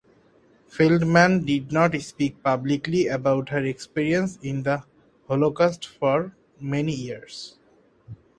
Feldman did not speak publicly about her experience in the Holocaust for many years.